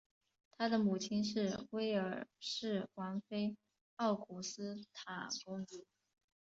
他的母亲是威尔士王妃奥古斯塔公主。